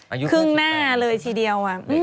อายุ๑๘เลยครึ่งหน้าเลยทีเดียว